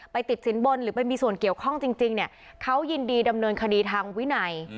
ติดสินบนหรือไปมีส่วนเกี่ยวข้องจริงเนี่ยเขายินดีดำเนินคดีทางวินัย